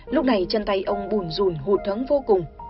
lúc này chân tay ông bùn rùn hụt thấm vô cùng